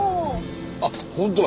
あっ本当だ。